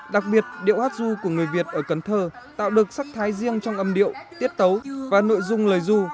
đặc biệt điệu hát du của người việt ở cần thơ tạo được sắc thái riêng trong âm điệu tiết tấu và nội dung lời du